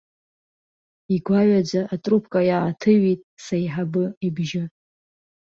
Игәаҩаӡа атрубка иааҭыҩит сеиҳабы ибжьы.